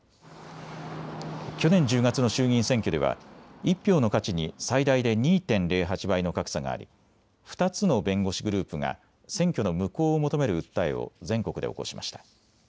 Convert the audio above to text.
去年１０月の衆議院選挙では１票の価値に最大で２．０８倍の格差があり２つの弁護士グループが選挙の無効を求める訴えを全国で起こしました。